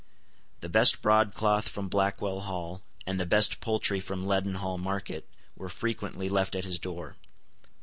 The best broadcloth from Blackwell Hall, and the best poultry from Leadenhall Market, were frequently left at his door.